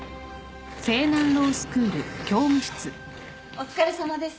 お疲れさまです。